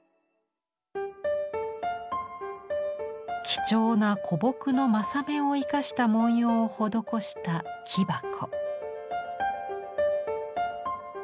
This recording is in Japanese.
貴重な古木の柾目を生かした文様を施した木箱。